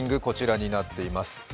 こちらになっています。